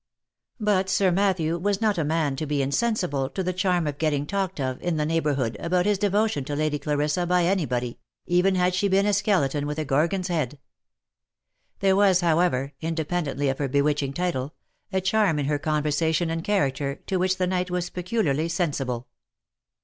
But Sir Matthew was not a man to be insensible to the charm of getting talked of in the neighbourhood about his devotion to Lady Clarissa any body, even had she been a skeleton with a Gorgon's head. There was, however, independently of her bewitching title, a charm in her con versation and character, to which the knight was peculiarly sensible.